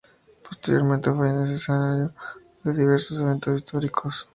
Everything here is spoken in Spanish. Posteriormente fue escenario de diversos eventos históricos.